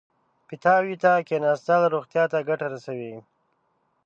پیتاوي ته کېناستل روغتیا ته ګټه رسوي.